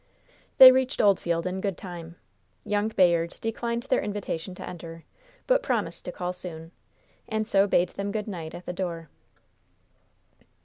They reached Oldfield in good time. Young Bayard declined their invitation to enter, but promised to call soon, and so bade them good night at the door.